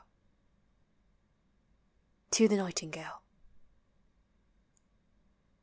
TO THE NIGHTINGALE.